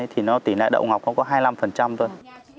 thì nó tỉ lệ đậu ngọc có hai mươi năm thôi